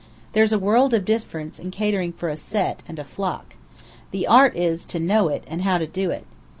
There's a world of difference catering for a Set, and a Flock. The art is, to know it, and how to do it.